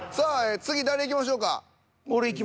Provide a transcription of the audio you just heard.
次誰いきましょうか。